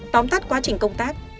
tóm tắt quá trình công tác